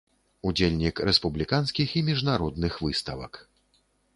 Удзельнік рэспубліканскіх і міжнародных выставак.